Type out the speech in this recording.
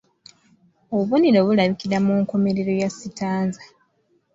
Obubonero bulabikira ku nkomerero ya sitanza